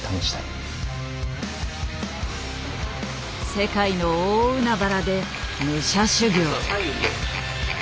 世界の大海原で武者修行。